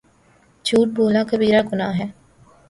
جھوٹ بولنا کبیرہ گناہ ہے